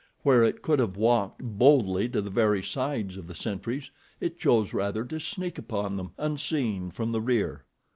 Where it could have walked boldly to the very sides of the sentries, it chose rather to sneak upon them, unseen, from the rear.